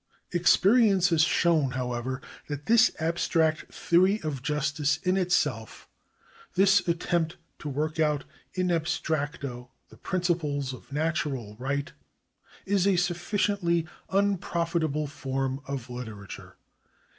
Experience has shown, however, that this abstract theory of justice in itself, this attempt to work out in abstracto the principles of natural right, is a sufficiently unprofitable form of literature.